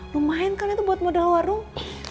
lumayan kan itu buat modal warung